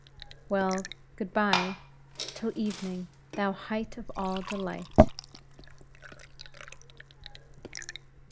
"Well, good bye, till evening, thou height of all delight."